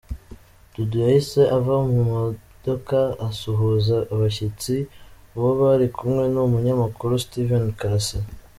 Dudu yahise ava mu modoka asuhuza abashyitsi, uwo bari kumwe ni umunyamakuru Steven Karasira .